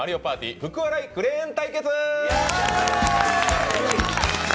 福笑いクレーン対決。